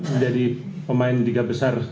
menjadi pemain diga besar